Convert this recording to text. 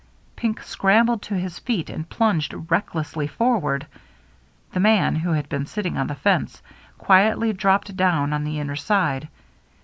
Pink scrambled to his feet and plunged recklessly forward. The man, who had been sitting on the fence, quietly dropped down on the inner side.